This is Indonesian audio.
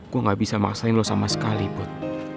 gue gak bisa maksain lo sama sekali put